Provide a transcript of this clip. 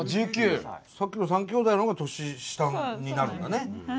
さっきの３兄弟の方が年下になるんだね。